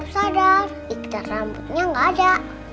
sadar ikat rambutnya nggak ada